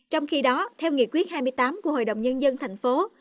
trong khi đó theo nghị quyết hai mươi tám của hội đồng nhân dân tp hcm